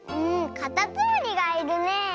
かたつむりがいるねえ！